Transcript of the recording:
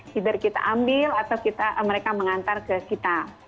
siber kita ambil atau mereka mengantar ke kita